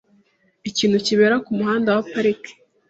Ikintu kibera kumuhanda wa Park .